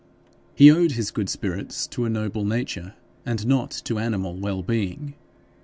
He owed his good spirits to a noble nature, and not to animal well being.